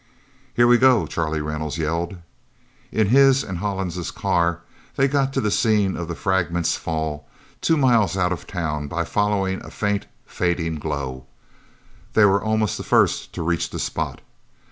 "Here we go!" Charlie Reynolds yelled. In his and Hollins' cars, they got to the scene of the fragment's fall, two miles out of town, by following a faint, fading glow. They were almost the first to reach the spot.